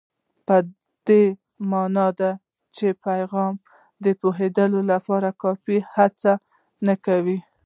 په دې مانا ده چې په پیغام د پوهېدو لپاره کافي هڅه نه کوو.